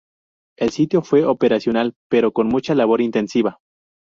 El sitio fue operacional, pero con mucha labor intensiva.